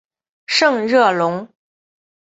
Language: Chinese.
圣热龙。